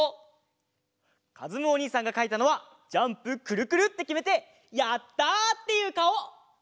かずむおにいさんがかいたのはジャンプくるくるってきめてやったっていうかお！